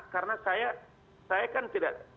karena saya kan tidak